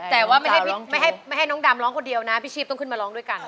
แต่ว่าไม่ให้น้องดำร้องคนเดียวนะพี่ชีพต้องขึ้นมาร้องด้วยกัน